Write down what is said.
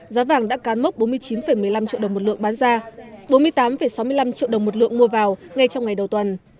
giá vàng đã cán mốc bốn mươi chín một mươi năm triệu đồng một lượng bán ra bốn mươi tám sáu mươi năm triệu đồng một lượng mua vào ngay trong ngày đầu tuần